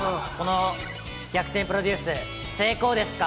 この逆転プロデュース成功ですか？